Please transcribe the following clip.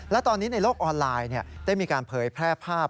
และตอนนี้ในโลกออนไลน์ได้มีการเผยแพร่ภาพ